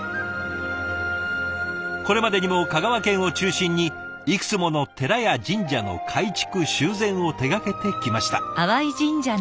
これまでにも香川県を中心にいくつもの寺や神社の改築・修繕を手がけてきました。